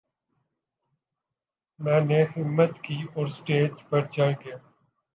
میں نے ہمت کی اور سٹیج پر چڑھ گیا